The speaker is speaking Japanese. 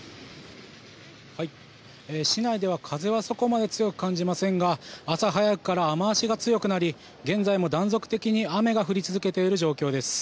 市内では風はそこまで強く感じませんが朝早くから雨脚が強くなり現在も断続的に雨が降り続けている状況です。